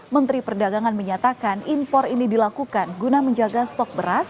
menteri perdagangan menyatakan impor ini dilakukan guna menjaga stok beras